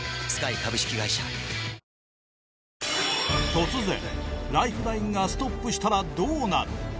突然ライフラインがストップしたらどうなる？